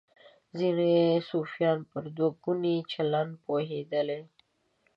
ځینې صوفیان پر دوه ګوني چلند پوهېدلي.